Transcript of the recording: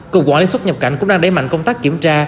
cục quản lý xuất nhập cảnh cũng đang đẩy mạnh công tác kiểm tra